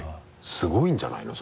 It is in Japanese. すごいんじゃないの？